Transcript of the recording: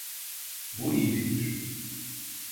Bu iyi fikir.